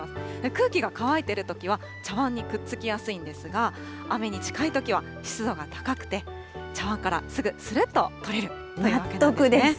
空気が乾いてるときは茶わんにくっつきやすいんですが、雨に近いときは、湿度が高くて、茶わんからすぐ、するっと取れるというわけなんですね。